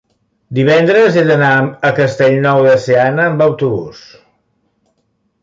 divendres he d'anar a Castellnou de Seana amb autobús.